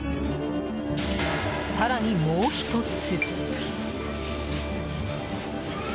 更に、もう１つ。